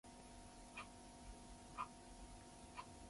僕らは同じだと直感的に感じた